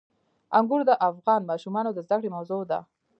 انګور د افغان ماشومانو د زده کړې موضوع ده.